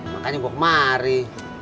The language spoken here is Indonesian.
makanya gue kemari